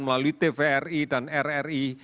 melalui tvri dan rri